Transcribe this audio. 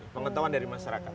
pengetahuan dari masyarakat